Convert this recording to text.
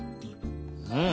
うん！